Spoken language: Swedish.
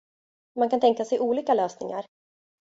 Man kan tänka sig olika lösningar.